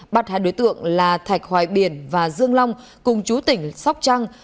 bắt hai đối tượng là thạch hoài biển và dương long cùng chú tỉnh sóc trăng